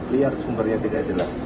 liar sumbernya tidak jelas